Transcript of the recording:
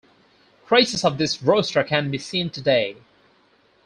Traces of this Rostra can be seen today.